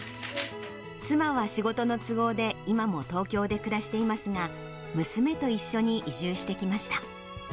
妻は仕事の都合で、今も東京で暮らしていますが、娘と一緒に移住してきました。